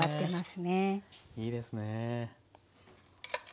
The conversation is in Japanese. いいですねぇ。